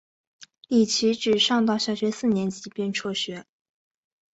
李琦只上到小学四年级便辍学。